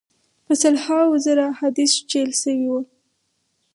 په سل هاوو زره احادیث جعل سوي وه.